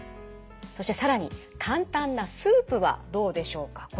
そして更に簡単なスープはどうでしょうか。